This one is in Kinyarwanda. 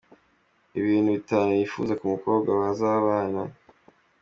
Ibintu bitanu yifuza ku mukobwa bazabana.